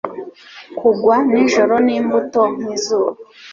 Kugwa nijoro n'imbuto nk'izuba,